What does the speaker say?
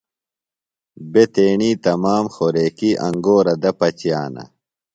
بےۡ تیݨی تمام خوریکیۡ انگورہ دےۡ پچِیانہ۔